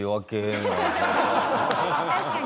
確かに。